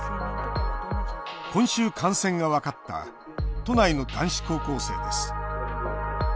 今週、感染が分かった都内の男子高校生です。